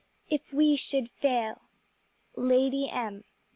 _ If we should fail "_Lady M.